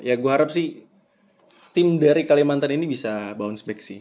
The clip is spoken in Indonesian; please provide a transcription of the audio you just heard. ya gue harap sih tim dari kalimantan ini bisa bounce back sih